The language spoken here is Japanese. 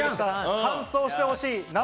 完走してほしい。